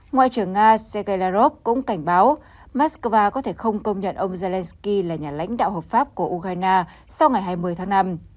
ngoại trưởng nga sergei lavrov cũng cảnh báo moscow có thể không công nhận ông zelensky là nhà lãnh đạo hợp pháp của ukraine sau ngày hai mươi tháng năm